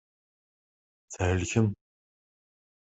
Thelkem.